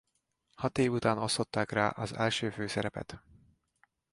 Hat év után osztották rá az első főszerepet.